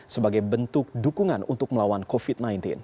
sebagai bentuk dukungan untuk melawan covid sembilan belas